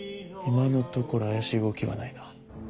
今のところ怪しい動きはないな。